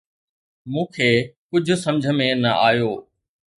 مون کي ڪجهه سمجهه ۾ نه آيو.